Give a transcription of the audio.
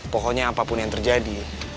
pokoknya apapun yang terjadi